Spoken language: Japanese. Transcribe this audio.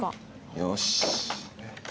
よし。